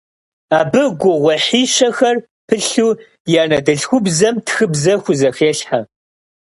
Абы гугъуехьищэхэр пылъу и анэдэльхубзэм тхыбзэ хузэхелъхьэ.